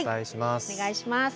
お願いします。